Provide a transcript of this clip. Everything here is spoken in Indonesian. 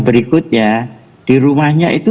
berikutnya di rumahnya itu